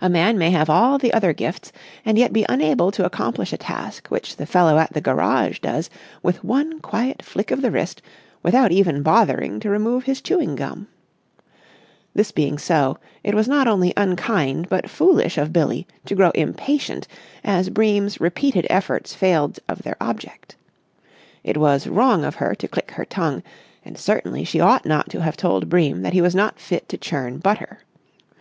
A man may have all the other gifts and yet be unable to accomplish a task which the fellow at the garage does with one quiet flick of the wrist without even bothering to remove his chewing gum. This being so, it was not only unkind but foolish of Billie to grow impatient as Bream's repeated efforts failed of their object. It was wrong of her to click her tongue, and certainly she ought not to have told Bream that he was not fit to churn butter.